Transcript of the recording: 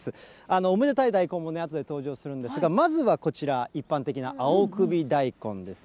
おめでたい大根もね、あとで登場するんですが、まずはこちら、一般的な青首大根ですね。